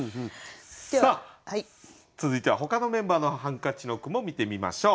さあ続いてはほかのメンバーの「ハンカチ」の句も見てみましょう。